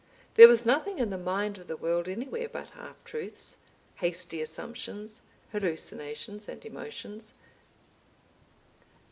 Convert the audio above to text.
There was nothing in the mind of the world anywhere but half truths, hasty assumptions, hallucinations, and emotions.